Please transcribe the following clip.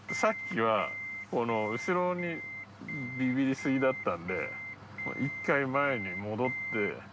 気辰後ろにビビリすぎだったんで渦前に戻って。